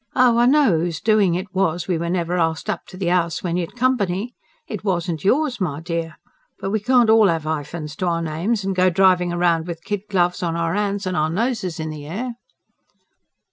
Oh, I know whose doing it was, we were never asked up to the house when you'd company. It wasn't YOURS, my dear! But we can't all have hyphens to our names, and go driving round with kid gloves on our hands and our noses in the air."